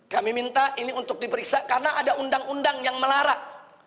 kami minta ini untuk diperiksa karena ada undang undang yang melarang